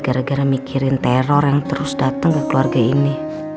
gara gara mikirin teror yang terus datang ke keluarga ini